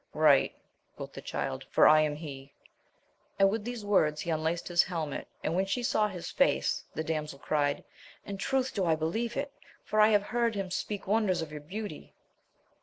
llight, quoth the Child, for I am he 1 And with these words he unlaced his holmet ; and when she saw his face, the damsel cried, In truth do I believe it, for I have heard him sptuik wonders of your beauty.